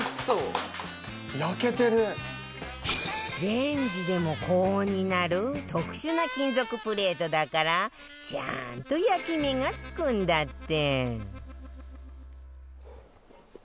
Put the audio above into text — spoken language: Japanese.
レンジでも高温になる特殊な金属プレートだからちゃんと焼き目がつくんだって